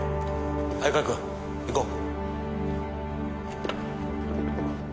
相川君行こう。